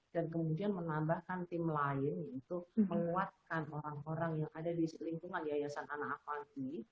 dan kemudian menambahkan tim lain untuk menguatkan orang orang yang ada di lingkungan yayasan anak apati